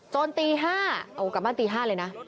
จนตีห้าเอ้ากลับบ้านตีห้าเลยนะ